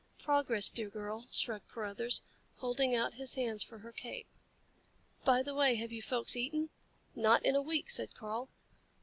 "Progress, dear girl," shrugged Carruthers, holding out his hands for her cape. "By the way, have you folks eaten?" "Not in a week," said Karl.